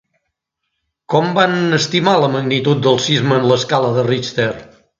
Com van estimar la magnitud del sisme en l'escala de Richter?